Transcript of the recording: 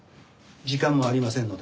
時間もありませんので。